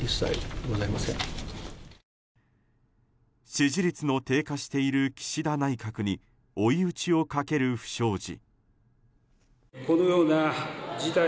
支持率の低下している岸田内閣に追い打ちをかける不祥事。